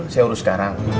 saya urus sekarang